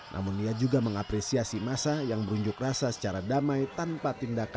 namun ia juga mengapresiasi masa yang berunjuk rasa secara damai tanpa tindakan